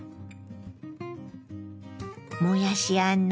もやしあんの